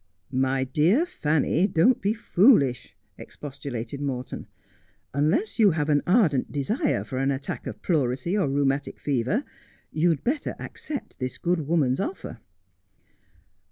' My dear Fanny, don't be foolish !' expostulated Morton. ' Unless you have an ardent desire for an attack of pleurisy or rheumatic fever, you'd better accept this good woman's offer.'